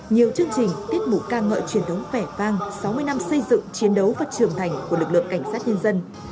nhiều chương trình tiết mục ca ngợi truyền thống vẻ vang sáu mươi năm xây dựng chiến đấu và trưởng thành của lực lượng cảnh sát nhân dân